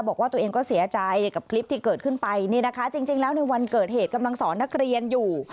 บอกว่าตัวเองก็เสียใจกับคลิปที่เกิดขึ้นไปนี่นะคะจริงแล้วในวันเกิดเหตุกำลังสอนนักเรียนอยู่